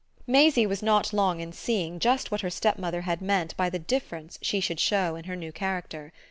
Maisie was not long in seeing just what her stepmother had meant by the difference she should show in her new character.